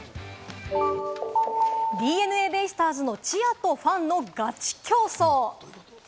ＤｅＮＡベイスターズのチアとファンのガチ競走。